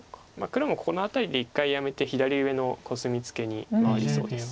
黒もこの辺りで一回やめて左上のコスミツケに回りそうです。